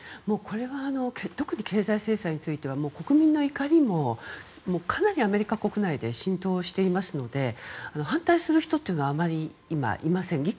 これは特に経済制裁については国民の怒りもかなりアメリカ国内で浸透していますので反対する人はあまり今、いません。